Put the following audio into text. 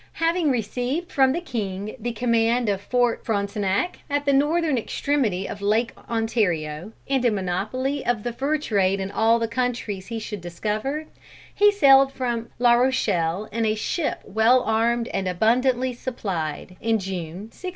Having received from the king the command of Fort Frontenac, at the northern extremity of Lake Ontario, and a monopoly of the fur trade in all the countries he should discover, he sailed from Larochelle in a ship well armed and abundantly supplied, in June, 1678.